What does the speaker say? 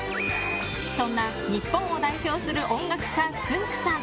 そんな日本を代表する音楽家、つんく♂さん。